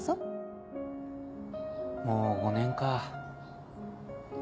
もう５年か。